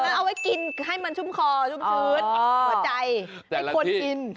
แล้วเอาไว้กินให้มันชุ่มคอชุ่มชื้นหัวใจให้คนกิน